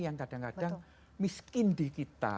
yang kadang kadang miskin di kita